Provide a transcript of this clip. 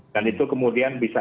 dan itu kemudian bisa